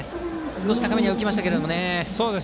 少し高めに浮きましたけどね。